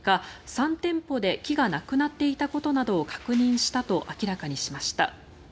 ３店舗で木がなくなっていたことなどを確認したと明らかにしました。